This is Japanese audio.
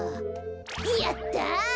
やった。